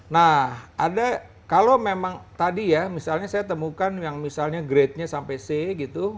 nah ada kalau memang tadi ya misalnya saya temukan yang misalnya grade nya sampai c gitu